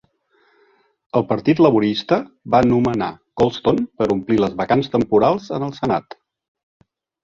El Partit Laborista va nomenar Colston per omplir les vacants temporals en el Senat.